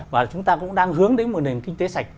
và chúng ta cũng đang hướng đến một nền kinh tế sạch